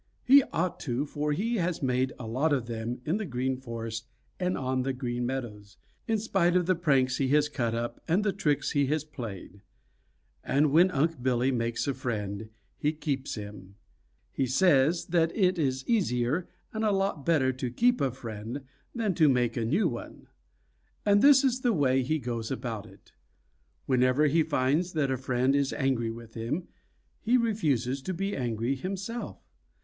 He ought to, for he has made a lot of them in the Green Forest and on the Green Meadows, in spite of the pranks he has cut up and the tricks he has played. And when Unc' Billy makes a friend, he keeps him. He says that it is easier and a lot better to keep a friend than to make a new one. And this is the way he goes about it: Whenever he finds that a friend is angry with him, he refuses to be angry himself.